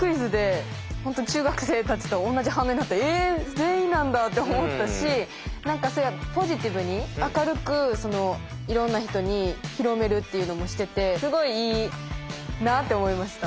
全員なんだ」って思ったし何かポジティブに明るくいろんな人に広めるっていうのもしててすごいいいなって思いました。